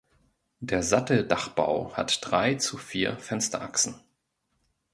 Der Satteldachbau hat drei zu vier Fensterachsen.